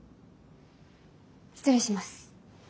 失礼します。